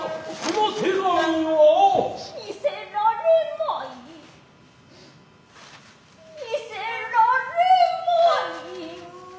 見せられまい見せられまいがな。